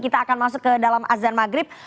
kita akan masuk ke dalam azan maghrib